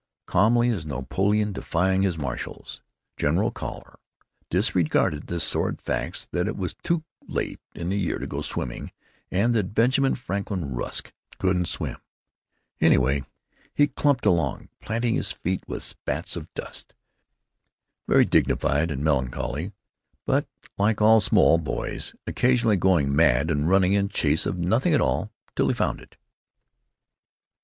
Calmly as Napoleon defying his marshals, General Carl disregarded the sordid facts that it was too late in the year to go swimming, and that Benjamin Franklin Rusk couldn't swim, anyway. He clumped along, planting his feet with spats of dust, very dignified and melancholy but, like all small boys, occasionally going mad and running in chase of nothing at all till he found it.